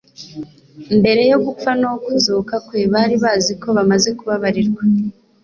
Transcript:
Mbere yo gupfa no kuzuka kwe, bari bazi ko bamaze kubabarirwa